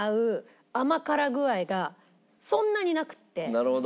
なるほど。